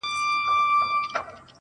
نه مي علم نه دولت سي ستنولای!